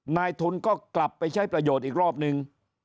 นายทุนก็กลับไปใช้ประโยชน์อีกรอบนึง